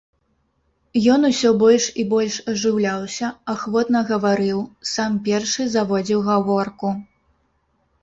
Ён усё больш і больш ажыўляўся, ахвотна гаварыў, сам першы заводзіў гаворку.